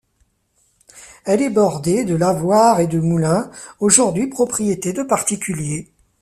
Elle est bordée de lavoirs et de moulins, aujourd’hui propriété de particuliers.